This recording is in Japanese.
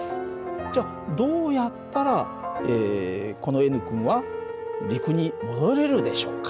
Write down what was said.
じゃどうやったらこのＮ君は陸に戻れるでしょうか。